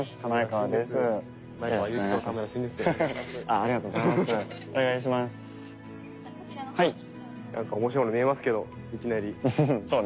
なんか面白いもの見えますけどいきなり。